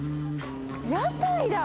屋台だ。